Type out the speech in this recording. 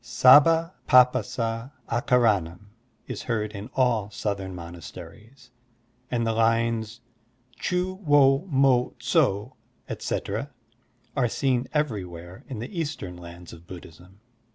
Sabba p^passa akara nam" is heard in all Southern monasteries, and the lines "Chu wo mo tso, etc.," are seen every where in the Eastern lands of Buddhism.